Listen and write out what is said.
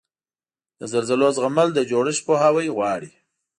د زلزلو زغمل د جوړښت پوهاوی غواړي.